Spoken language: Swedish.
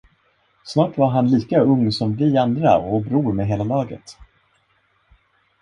Snart var han lika ung som vi andra och bror med hela laget.